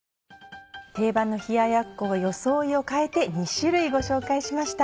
定番の冷ややっこは装いを変えて２種類ご紹介しました。